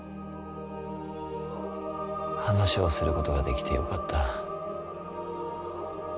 話をすることができてよかった。